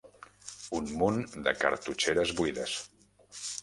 Un munt de cartutxeres buides